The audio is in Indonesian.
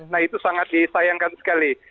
nah itu sangat disayangkan sekali